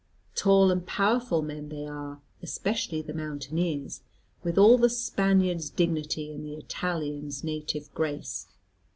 Tall and powerful men they are, especially the mountaineers; with all the Spaniard's dignity and the Italian's native grace.